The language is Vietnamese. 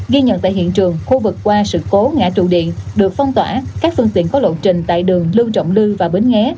ghi nhận tại hiện trường khu vực qua sự cố ngã trụ điện được phong tỏa các phương tiện có lộ trình tại đường lưu trọng lư và bến nghé